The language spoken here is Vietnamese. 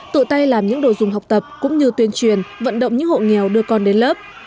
tự tay làm những đồ dùng học tập cũng như tuyên truyền vận động những hộ nghèo đưa con đến lớp